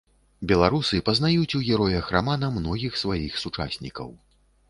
Беларусы пазнаюць у героях рамана многіх сваіх сучаснікаў.